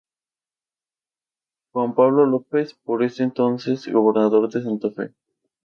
Juan Pablo López", por ese entonces, gobernador de Santa Fe.